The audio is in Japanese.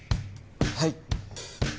はい。